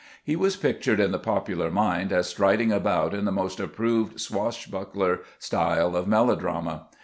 He was pictured in the popular mind as striding about in the most approved swash buckler style of melodrama.